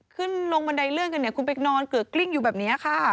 ขึ้นลงบันไดเลื่อนกันเนี่ยคุณไปนอนเกลือกกลิ้งอยู่แบบนี้ค่ะ